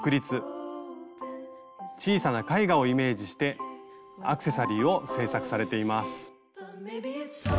「小さな絵画」をイメージしてアクセサリーを製作されています。